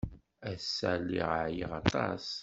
Ass-a, lliɣ ɛyiɣ aṭas.